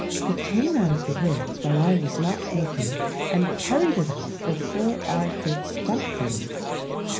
"He came out of the woods while I was not look ing and carried it off before I could stop him."